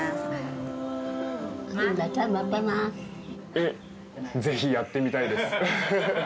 えっ、ぜひやってみたいです。